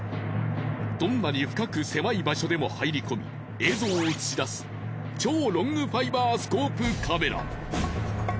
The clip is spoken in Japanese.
どんなに深く狭い場所でも入り込み映像を映し出す超ロングファイバースコープカメラ。